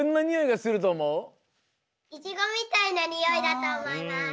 イチゴみたいなにおいだとおもいます！